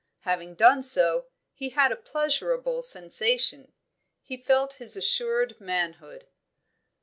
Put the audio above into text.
Having done so, he had a pleasurable sensation; he felt his assured manhood.